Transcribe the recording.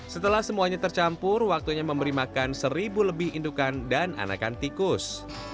setelah semuanya tercampur waktunya memberi makan seribu lebih indukan dan anakan tikus